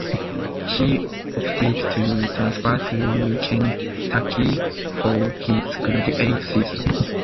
He opted to transfer to Kentucky for his graduate season.